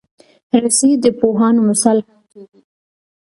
رسۍ د پوهانو مثال هم کېږي.